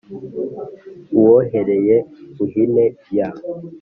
Uwohereye u ihene ya